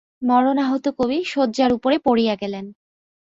মরণাহত কবি শয্যার উপরে পড়িয়া গেলেন।